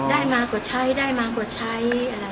ได้มาก็ใช้ได้มาก็ใช้